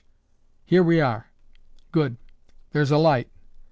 Here we are! Good, there's a light.